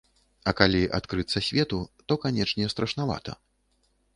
А калі адкрыцца свету, то, канечне, страшнавата.